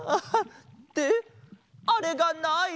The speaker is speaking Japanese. ってあれがない？